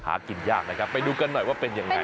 หากินยากนะครับไปดูกันหน่อยว่าเป็นยังไง